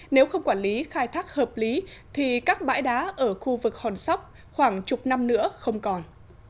nếu không quản lý khai thác hợp lý thì các bãi đá ở khu vực hòn sóc khoảng chục năm nữa không còn